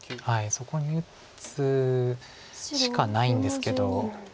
そこに打つしかないんですけど。